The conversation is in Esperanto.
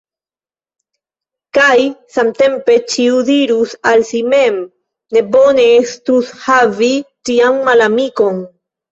Kaj samtempe ĉiu dirus al si mem: ne bone estus havi tian malamikon!